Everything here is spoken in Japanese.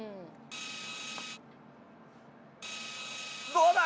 どうだ？